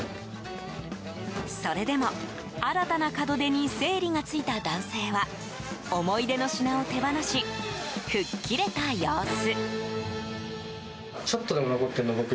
それでも新たな門出に整理がついた男性は思い出の品を手放し吹っ切れた様子。